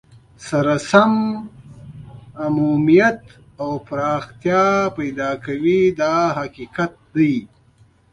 سره سم عمومیت او پراختیا پیدا کوي دا حقیقت دی.